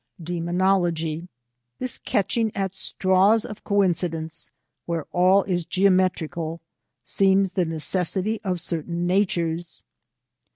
''; D^MONOLOGT. This catching at straws of coincidence, where all is geometrical, seems the necessity of certain natures.